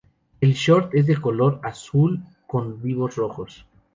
El Short es de color Azul con vivos rojos.